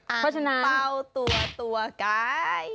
อังเปล่าตัวไกล